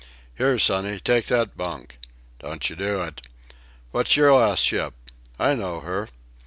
"Here, sonny, take that bunk!... Don't you do it!... What's your last ship?... I know her....